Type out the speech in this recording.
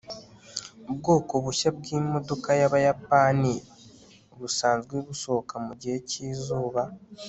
ubwoko bushya bwimodoka yabayapani busanzwe busohoka mugihe cyizuba